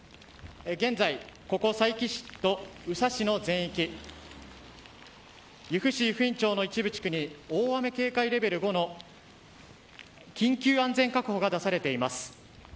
現在、ここ佐伯市宇佐市の全域由布市湯布院町の一部に大雨警戒レベル５の緊急安全確保が出されています。